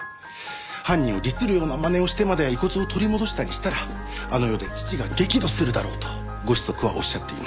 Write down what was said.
犯人を利するようなまねをしてまで遺骨を取り戻したりしたらあの世で父が激怒するだろうとご子息はおっしゃっています。